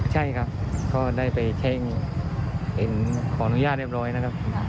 ใช่ครับก็ได้ไปเห็นขออนุญาตเรียบร้อยนะครับ